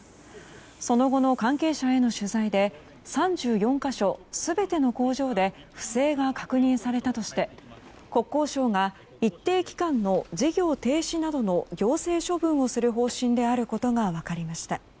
その後の関係者への取材で３４か所全ての工場で不正が確認されたとして国交省が一定期間の事業停止などの行政処分をする方針であることが分かりました。